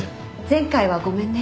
前回はごめんね。